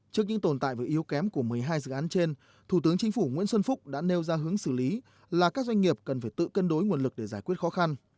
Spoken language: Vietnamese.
trước những tồn tại và yếu kém của một mươi hai dự án trên thủ tướng chính phủ nguyễn xuân phúc đã nêu ra hướng xử lý là các doanh nghiệp cần phải tự cân đối nguồn lực để giải quyết khó khăn